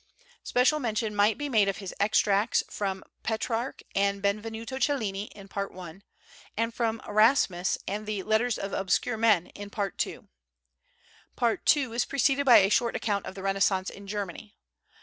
Special mention might be made of his extracts from Petrarch and Benevenuto Cellini in Part I.; and from Erasmus and the "Letters of Obscure Men" in Part II. Part II. is preceded by a short account of the Renaissance in Germany.